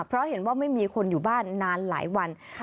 เพราะเห็นว่าไม่มีคนอยู่บ้านนานหลายวัน